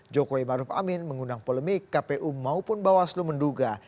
jokowi maruf amin mengundang polemik kpu maupun bawaslu menduga